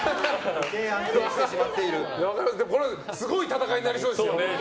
すごい戦いになりそうですよ。